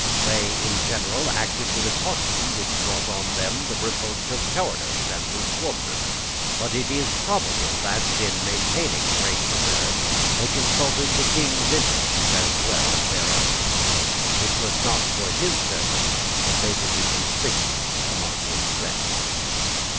They in general acted with a caution which brought on them the reproach of cowardice and lukewarmness; but it is probable that, in maintaining great reserve, they consulted the King's interest as well as their own. It was not for his service that they should be conspicuous among his friends.